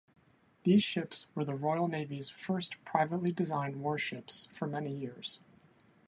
These ships were the Royal Navy's first privately designed warships for many years.